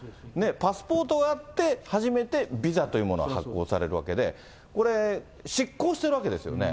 パスポートがあって、初めてビザというものが発行されるわけで、これ、失効してるわけですよね。